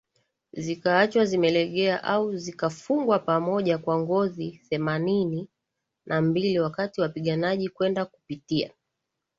zikaachwa zimelegea au zikafungwa pamoja kwa ngozi Themanini na mbili Wakati wapiganaji kwenda kupitia